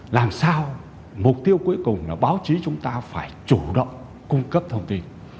làm sao mục tiêu cuối cùng là báo chí chúng ta phải chủ động cung cấp thông tin